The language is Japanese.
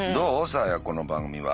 サーヤこの番組は。